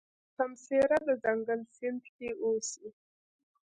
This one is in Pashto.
سمسيره د ځنګل سیند کې اوسي.